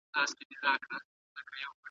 دا کیسه د ژوند درس لري.